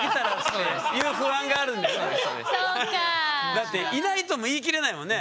だっていないとも言い切れないもんね？